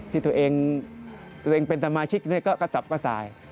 ที่ตัวเองเป็นสมาชิกก็กระสับกระส่าย